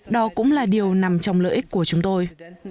đó cũng là điều nằm trong lợi ích của chúng tôi